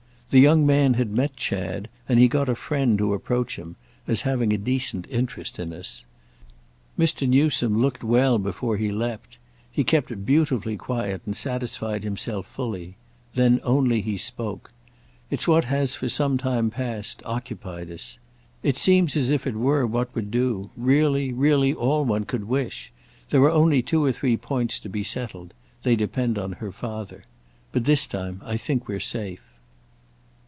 The young man had met Chad, and he got a friend to approach him—as having a decent interest in us. Mr. Newsome looked well before he leaped; he kept beautifully quiet and satisfied himself fully; then only he spoke. It's what has for some time past occupied us. It seems as if it were what would do; really, really all one could wish. There are only two or three points to be settled—they depend on her father. But this time I think we're safe."